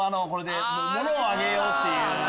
物をあげようっていう。